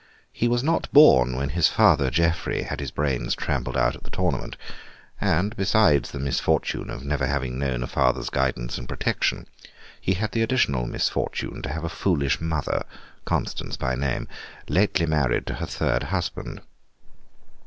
He was not born when his father, Geoffrey, had his brains trampled out at the tournament; and, besides the misfortune of never having known a father's guidance and protection, he had the additional misfortune to have a foolish mother (Constance by name), lately married to her third husband.